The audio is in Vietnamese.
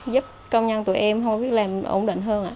giúp công nhân tụi em không có việc làm ổn định hơn ạ